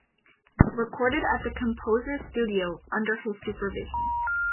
Recorded at the composer's studio under his supervision.